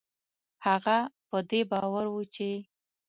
هغه په دې باور و چې